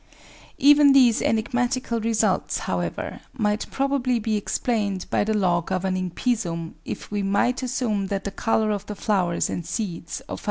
Even these enigmatical results, however, might probably be explained by the law governing Pisum if we might assume that the colour of the flowers and seeds of Ph.